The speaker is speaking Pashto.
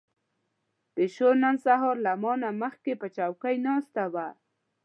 پيشو نن سهار له ما نه مخکې په چوکۍ ناسته وه.